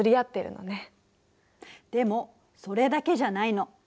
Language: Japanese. でもそれだけじゃないの。